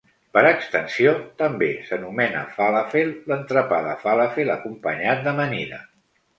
Per extensió, també s'anomena falàfel l'entrepà de falàfel acompanyat d'amanida.